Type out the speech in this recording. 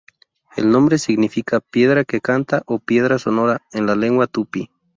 El nombre significa "piedra que canta" o "piedra sonora" en la lengua tupi.